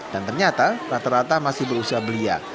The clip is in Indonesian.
dan ternyata rata rata masih berusia belia